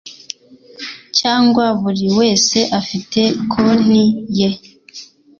cyangwa buri wese afite konti ye